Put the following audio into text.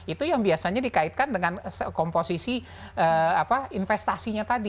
itu yang biasanya dikaitkan dengan komposisi investasinya tadi